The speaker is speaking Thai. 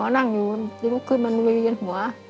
อ๋อนั่งอยู่นิดหนึ่งขึ้นมันเวียนหัว